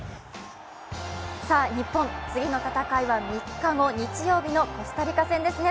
日本、次の戦いは３日後、日曜日のコスタリカ戦ですね。